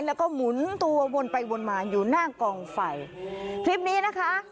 แล้วก็หมุนตัววนไปวนมาอยู่หน้ากองไฟคลิปนี้นะคะ